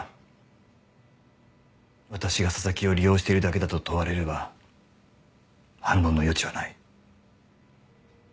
私が紗崎を利用しているだけだと問われれば反論の余地はない。